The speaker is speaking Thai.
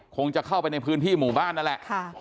คงจะเข้าไปในพื้นที่หมู่บ้านนั่นแหละ